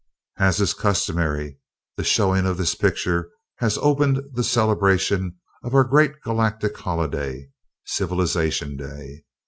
"As is customary, the showing of this picture has opened the celebration of our great Galactic holiday, Civilization Day.